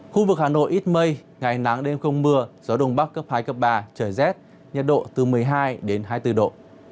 khu vực hà nội ít mây ngày nắng đêm không mưa gió đông bắc cấp hai cấp ba trời rét nhiệt độ từ một mươi hai đến hai mươi bốn độ